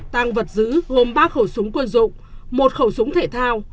tăng vật giữ gồm ba khẩu súng quân dụng một khẩu súng thể thao